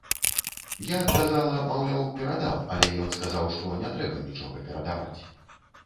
Я адказала, маўляў, перадам, але ён сказаў, што не трэба нічога перадаваць.